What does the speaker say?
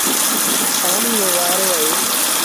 پآڻيٚ رو وآرو اهي۔